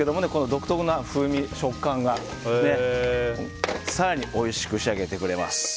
独特な風味、食感が更においしく仕上げてくれます。